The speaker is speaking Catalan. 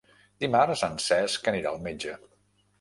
Dimarts en Cesc anirà al metge.